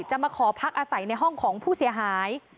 มาขอพักอาศัยในห้องของผู้เสียหาย